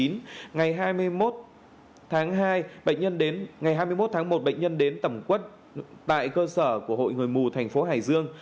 ngày hai mươi một tháng một bệnh nhân đến tầm quất tại cơ sở của hội người mù thành phố hải dương